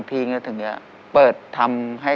พี่เลือดแผงหวัดเลยนะครับ